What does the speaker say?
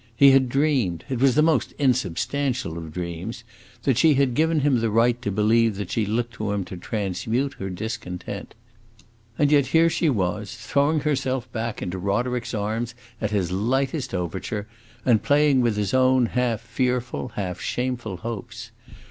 He had dreamed it was the most insubstantial of dreams that she had given him the right to believe that she looked to him to transmute her discontent. And yet here she was throwing herself back into Roderick's arms at his lightest overture, and playing with his own half fearful, half shameful hopes!